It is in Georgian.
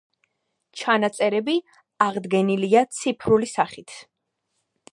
ჩანაწერები აღდგენილია ციფრული სახით.